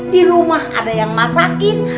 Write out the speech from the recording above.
di rumah ada yang masakin